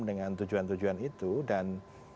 dengan tujuan tujuan itu dan